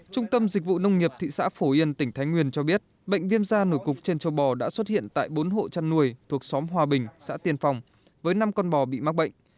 trung tâm dịch vụ nông nghiệp thị xã phổ yên tỉnh thái nguyên cho biết bệnh viêm da nổi cục trên châu bò đã xuất hiện tại bốn hộ chăn nuôi thuộc xóm hòa bình xã tiên phong với năm con bò bị mắc bệnh